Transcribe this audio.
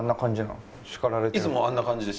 いつもあんな感じです。